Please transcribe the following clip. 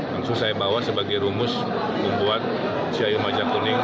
langsung saya bawa sebagai rumus membuat cio majakuning pelayanan publiknya nomor satu juga